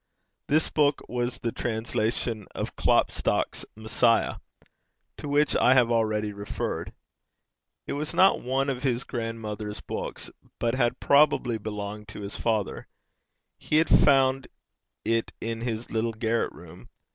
This book was the translation of Klopstock's Messiah, to which I have already referred. It was not one of his grandmother's books, but had probably belonged to his father: he had found it in his little garret room.